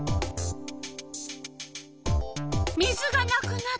水がなくなった。